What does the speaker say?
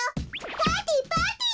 パーティーパーティー！